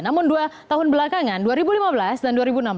namun dua tahun belakangan dua ribu lima belas dan dua ribu enam belas